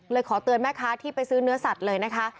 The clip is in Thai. ขอเตือนแม่ค้าที่ไปซื้อเนื้อสัตว์เลยนะคะ